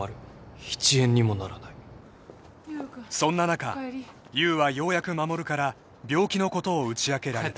［そんな中優はようやく衛から病気のことを打ち明けられた］